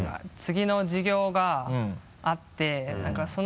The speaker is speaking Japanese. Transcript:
次の授業があって。